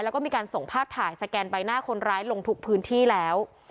แล้วก็มีการส่งภาพถ่ายสแกนใบหน้าคนร้ายลงทุกพื้นที่แล้ว